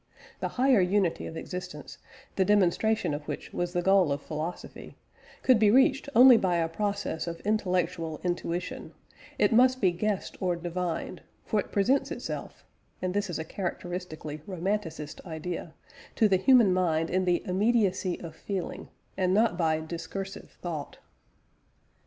The "higher unity" of existence, the demonstration of which was the goal of philosophy, could be reached only by a process of intellectual intuition, it must be guessed or divined; for it presents itself (and this is a characteristically "Romanticist" idea) to the human mind in the immediacy of feeling, and not by discursive thought.